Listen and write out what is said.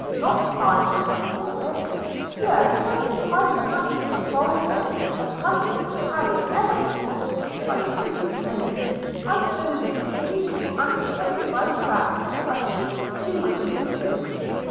'Not time!' cried Warwick. 'Yes, there is time enough to a soldier accustomed to carry every point by a coup de main – I own, indeed, for an approach by sap I should be too much limited.